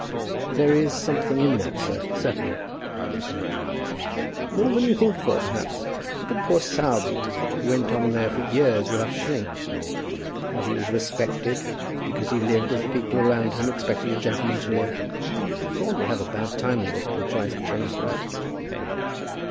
"There's something in that, sir, certainly," said the major. "More than you think for, perhaps. Look at poor Sowerby, who went on there for years without a shilling. How he was respected, because he lived as the people around him expected a gentleman to live. Thorne will have a bad time of it, if he tries to change things."